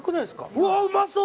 うわうまそう！